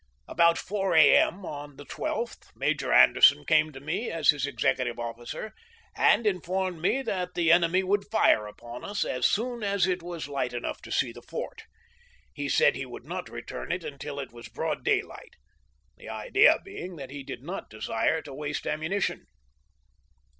About 4 A. M. on the 12th, Major Anderson came to me as his executive officer, and informed me that the enemy would fire upon us as soon as it was light enough to see the fort. He said he would not return it until it was broad daylight, the idea being that he did not desire to waste his ammunition.